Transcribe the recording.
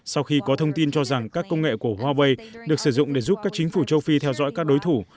sau khi có thông tin cho rằng các công nghệ của huawei được sử dụng để giúp các chính phủ châu phi theo dõi các đối thủ